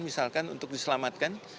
misalkan untuk diselamatkan